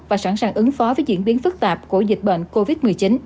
tạp của dịch bệnh covid một mươi chín